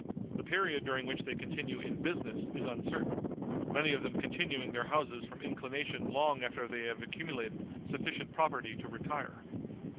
The period during which they continue in business is uncertain, many of them continuing their houses from inclination long after they have accumulated sufficient property to retire.